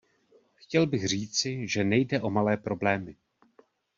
Chtěl bych říci, že nejde o malé problémy.